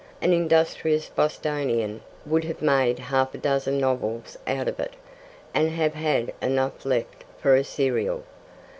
An industrious Bostonian would have made half a dozen novels out of it, and have had enough left for a serial.